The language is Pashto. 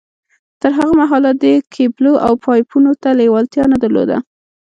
تر هغه مهاله ده کېبلو او پایپونو ته لېوالتیا نه در لوده